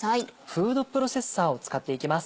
フードプロセッサーを使っていきます。